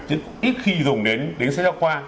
chứ ít khi dùng đến sách giáo khoa